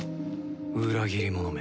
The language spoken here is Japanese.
裏切り者め。